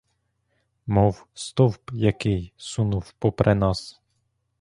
Мов стовп який, сунув попри нас.